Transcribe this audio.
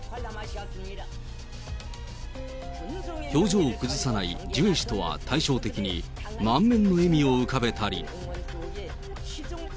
表情を崩さないジュエ氏とは対照的に、満面の笑みを浮かべたり。